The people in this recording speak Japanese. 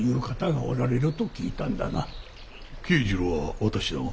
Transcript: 慶次郎は私だが。